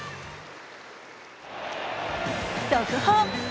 速報。